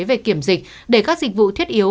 về kiểm dịch để các dịch vụ thiết yếu